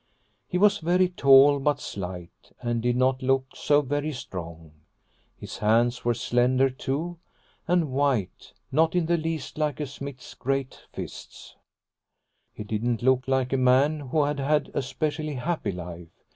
He was very tall but slight, and did not look so very strong. His hands were slender, too, and white, not in the least like a smith's great fists. He didn't look like a man who had had 'a specially happy life.